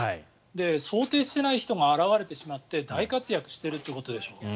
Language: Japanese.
想定していない人が現れてしまって大活躍してるってことでしょ。